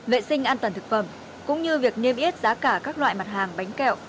vệ sinh an toàn thực phẩm cũng như việc niêm yết giá cả các loại mặt hàng bánh kẹo